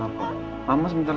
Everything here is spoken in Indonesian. bapak kayak kesakitan